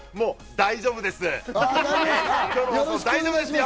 大丈夫ですよ。